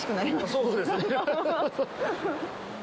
そうですね。